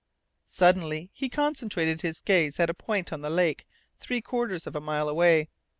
Suddenly he concentrated his gaze at a point on the lake three quarters of a mile away.